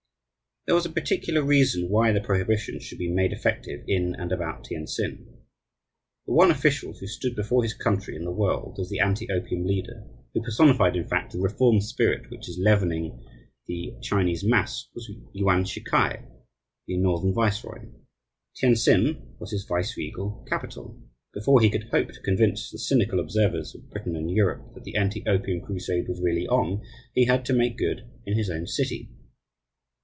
There was a particular reason why the prohibition should be made effective in and about Tientsin. The one official who stood before his country and the world as the anti opium leader, who personified, in fact, the reform spirit which is leavening the Chinese mass, was Yuan Shi K'ai, the Northern viceroy. Tientsin was his viceregal capital. Before he could hope to convince the cynical observers of Britain and Europe that the anti opium crusade was really on, he had to make good in his own city.